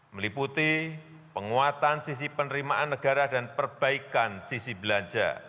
meliputi penguatan sisi penerimaan negara dan perbaikan sisi belanja